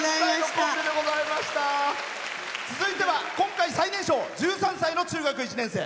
続いては今回最年少１３歳の中学１年生。